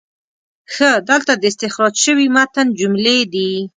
ښه، دلته د استخراج شوي متن جملې دي: